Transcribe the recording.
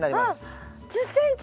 あっ１０ｃｍ。